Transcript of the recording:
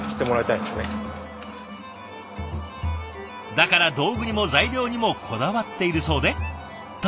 だから道具にも材料にもこだわっているそうで例えばこの型。